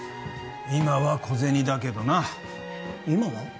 今は小銭だけどな今は？